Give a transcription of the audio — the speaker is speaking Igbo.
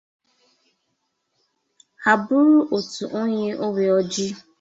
Ha gburu otu onye owe ojii